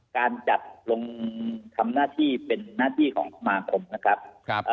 การจัดลงทำหน้าที่เป็นหน้าที่ของสมมาคมนะครับ